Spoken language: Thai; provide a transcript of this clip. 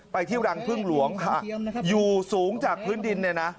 ไปที่รังพึ่งหลวงค่ะอยู่สูงจากพื้นดินเนี่ยนะ